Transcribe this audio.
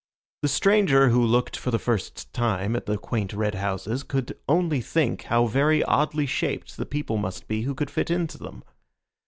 The stranger who looked for the first time at the quaint red houses could only think how very oddly shaped the people must be who could fit in to them.